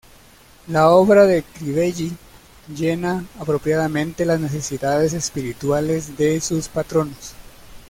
La obra de Crivelli llena apropiadamente las necesidades espirituales de sus patronos.